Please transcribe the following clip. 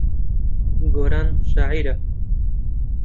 گۆران شاعیرە.